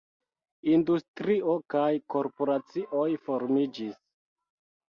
Industrio kaj korporacioj formiĝis.